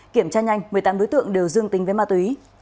kiểm tra nhanh một mươi tám đối tượng đều dương tính với ma túy